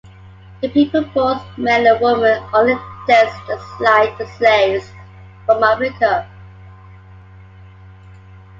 The people both men and woman oddly danced just like the slaves from Africa.